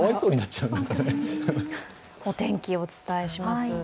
お天気、お伝えします。